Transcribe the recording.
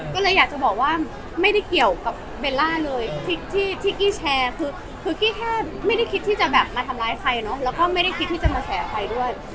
ก็เลยอยากจะบอกว่าไม่ได้เกี่ยวกับเบลล่าเลยที่กี้แชร์คือกี้แค่ไม่ได้คิดที่จะแบบมาทำร้ายใครเนอะแล้วก็ไม่ได้คิดที่จะมาแสใครด้วย